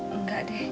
enggak deh enggak